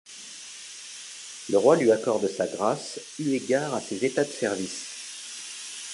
Le roi lui accorde sa grâce eu égard à ses états de service.